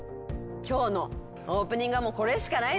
今日のオープニングはこれしかないですよね。